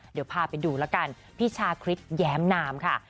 เดี๋ยวพาไปดูแล้วกันพี่ชาคริสแย้มนามค่ะ